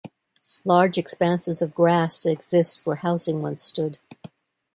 Large expanses of grass exist where housing once stood.